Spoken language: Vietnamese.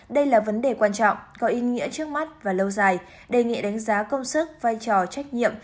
đây là vấn đề quan trọng có ý nghĩa trước mắt và lâu dài đề nghị đánh giá công sức vai trò trách nhiệm